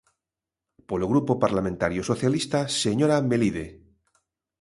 Polo Grupo Parlamentario Socialista, señora Melide.